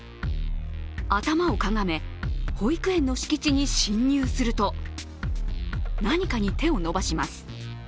頭をかがめ、保育園の敷地に侵入すると何かに手を伸ばします。